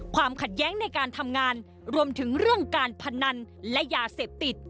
ความขัดแย้งในการทำงานรวมถึงเรื่องการพนันและยาเสพติด